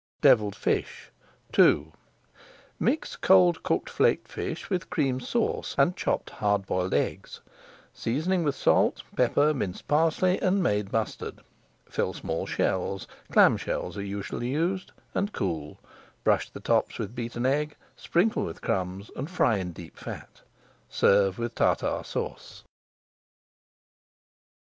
DEVILLED FISH II Mix cold cooked flaked fish with Cream Sauce and chopped hard boiled eggs, seasoning with salt, pepper, minced parsley, and made mustard. Fill small shells clam shells are usually used and cool. Brush the tops with beaten egg, sprinkle with crumbs, and fry in deep fat. Serve with Tartar Sauce.